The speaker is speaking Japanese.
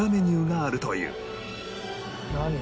何？